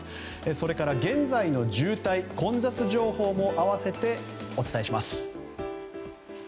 それから現在の渋滞・混雑情報も併せてお伝えします。